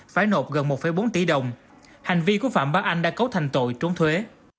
phải nộp gần một bốn tỷ đồng hành vi của phạm bá anh đã cấu thành tội trốn thuế